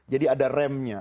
jadi ada remnya